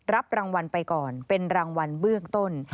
รับรางวัลไปก่อนเป็นรางวัลเบื้องต้น